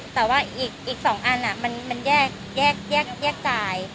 แต่ว่าอีกอีกสองอันอ่ะมันมันแยกแยกแยกแยกจ่าย